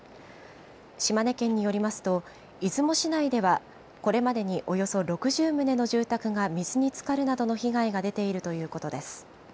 島根県によりますと、出雲市内では、これまでにおよそ６０棟の住宅が水につかるなどの被害が出ているということです。